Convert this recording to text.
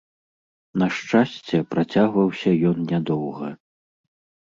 На шчасце, працягваўся ён нядоўга.